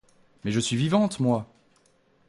Mais je suis vivante, moi!